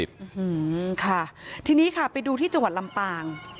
อืมค่ะทีนี้ค่ะไปดูที่จังหวัดลำปาง